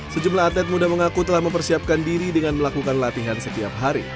sejumlah atlet muda mengaku telah mempersiapkan diri dengan melakukan latihan setiap hari